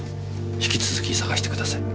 ひき続き捜してください。